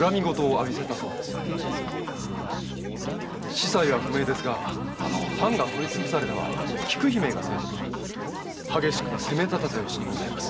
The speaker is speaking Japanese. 子細は不明ですが藩が取り潰されたは菊姫が所為とか激しく責めたてた由にございます。